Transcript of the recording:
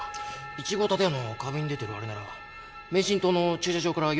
１号建屋の壁に出てるあれなら免震棟の駐車場からよく見えますよね。